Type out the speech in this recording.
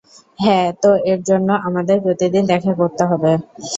হ্যাঁ, তো এর জন্য আমাদের প্রতিদিন দেখা করতে হবে।